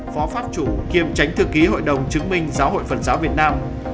phó pháp chủ kiêm tránh thư ký hội đồng chứng minh giáo hội phật giáo việt nam